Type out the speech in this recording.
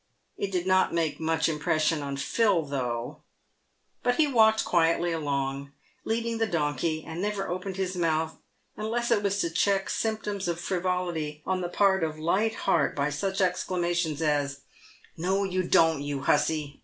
It did not make much impression on Phil though, but he walked quietly along, leading the donkey, and never opened his mouth unless it was to check symptoms of frivolity on the part of Light Heart by such exclamations as " No, you don't, you hussey